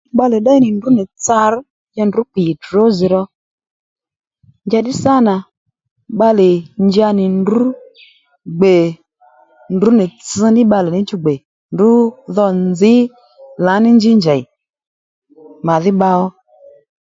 Bbalè ddéy nì fú nì ndrǔ nì tsar ya ndrǔ kpì trozi ro njàddí sâ nà bbalè nja nì ndrǔ gbè ndrǔ nì tss ní bbalè níchú gbè ndrǔ dho nzǐ lǎní nji njèy màdhí bba ó